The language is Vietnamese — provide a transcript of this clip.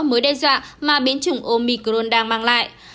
mối đe dọa mà biến chủng omicron đang mang lại